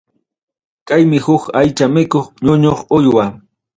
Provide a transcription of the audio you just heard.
Kaymi huk aycha mikuq ñuñuq uywa.